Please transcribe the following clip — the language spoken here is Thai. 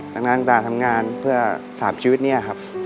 ทางนาทางตาทำงานเพื่อสามชีวิตเนี่ยครับ